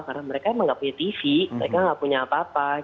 karena mereka emang nggak punya tv mereka nggak punya apa apa